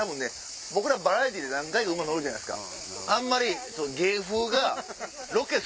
僕らバラエティーで何回か馬乗るじゃないですか。